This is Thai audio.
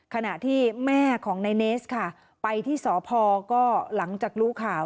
ขณะที่แม่ของนายเนสค่ะไปที่สพก็หลังจากรู้ข่าว